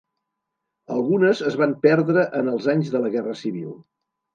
Algunes es van perdre en els anys de la guerra civil.